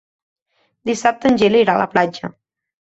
Dissabte en Gil irà a la platja.